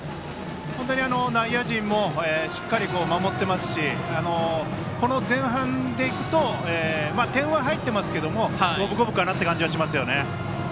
本当に内野陣もしっかり守ってますしこの前半で行くと点は入っていますけども五分五分かなという感じはします。